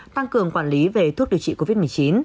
tăng cường quản lý về thuốc điều trị covid một mươi chín